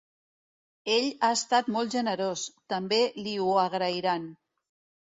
Ell ha estat molt generós: també li ho agrairan.